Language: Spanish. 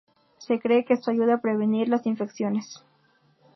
Se cree que esto ayuda a prevenir las infecciones.